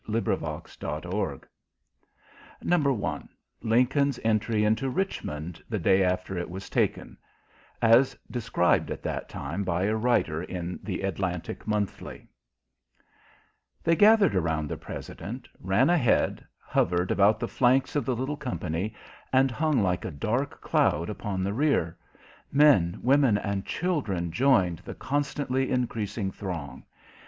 Appendix ANECDOTES LINCOLN'S ENTRY INTO RICHMOND THE DAY AFTER IT WAS TAKEN As Described at that time by a Writer in the "Atlantic Monthly" They gathered around the President, ran ahead, hovered about the flanks of the little company, and hung like a dark cloud upon the rear. Men, women and children joined the constantly increasing throng.